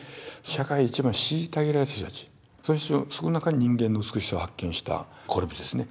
社会で一番虐げられてきた人たちその中に人間の美しさを発見したコルヴィッツですね。